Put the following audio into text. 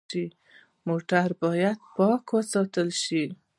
موټر باید پاک وساتل شي.